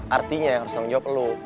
artinya yang harus tanggung jawab lo